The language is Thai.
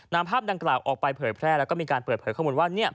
นำภาพดังกล่าวออกไปเผยแพร่แล้วก็มีการเปิดเผยข้อมูลว่า